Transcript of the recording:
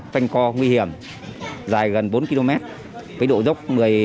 tanh co nguy hiểm dài gần bốn km với độ dốc một mươi